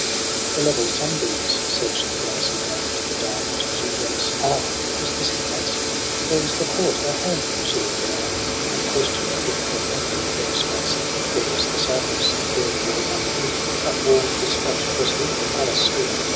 The level sunbeams search'd the grassy ground For diamond dewdrops. Ah ! was this the place ? Where was the court, her home? she look'd around And question'd with her memory for a space. There was the cypress, there the well known wood. That wall'd the spot : 'twas here her palace stood.